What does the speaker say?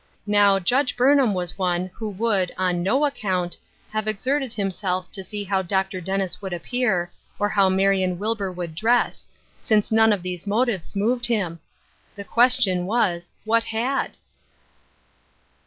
Now Judge Burnham was one who would, on no account, have exerted himself to see how Dr. Dennis would appear, or how Marion Wilbur would dress, since none of these motives moved him. The question was. What had?